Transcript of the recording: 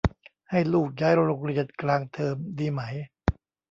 ให้ลูกย้ายโรงเรียนกลางเทอมดีไหม